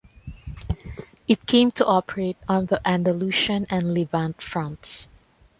It came to operate on the Andalusian and Levante fronts.